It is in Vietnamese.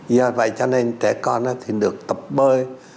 do vậy cho nên trẻ con thì được tập bơi